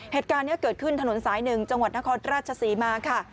เหตุการณ์นี้เกิดขึ้นถนนสาย๑จังหวัดนครราชศรีมาค่ะ